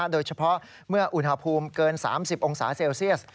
โดยเฉพาะเมื่ออุณหภูมิเกิน๓๐องศาเซลเซียส